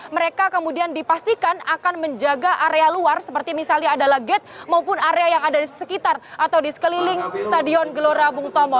mereka kemudian dipastikan akan menjaga area luar seperti misalnya adalah gate maupun area yang ada di sekitar atau di sekeliling stadion gelora bung tomo